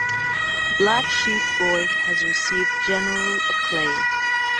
"Black Sheep Boy" has received general acclaim.